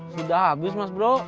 sudah habis mas bro